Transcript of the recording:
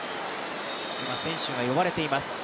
今、選手が呼ばれています。